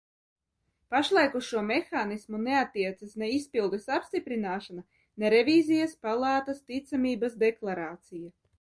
Pašlaik uz šo mehānismu neattiecas ne izpildes apstiprināšana, ne Revīzijas palātas ticamības deklarācija.